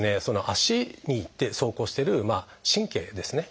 足に行って走行してる神経ですね